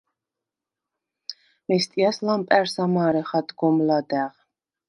მესტიას ლამპა̈რს ამა̄რეხ ადგომ ლადა̈ღ.